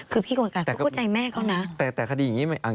คือพี่โกรธก็เข้าใจแม่เขานะ